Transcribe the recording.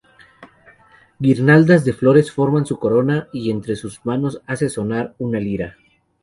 Guirnaldas de flores forman su corona y entre sus manos hace sonar una lira.